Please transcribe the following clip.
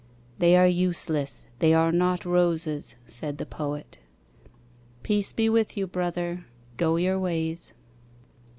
"They are useless. They are not roses," said the Poet. Peace be with you, Brother. Go your ways.